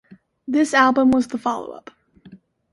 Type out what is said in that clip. This album was the follow-up.